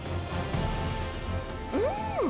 うん！